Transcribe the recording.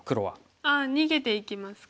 あっ逃げていきますか。